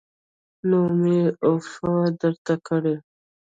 نور مې عفوه درته کړې